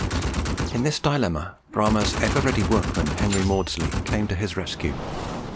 In this dilemma, Bramah's ever ready workman, Henry Maudslay, came to his rescue.